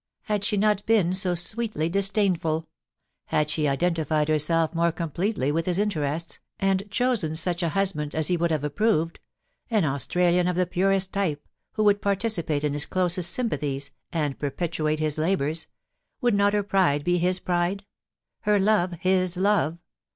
Had she not been so sweetly disdainful ; had she identified herself more completely with his interests, and chosen such a hus band as he would have approved — an Australian of the purest type, who would participate in his closest sympathies, and perpetuate his labours — ^would not her pride be his pride ? her love his love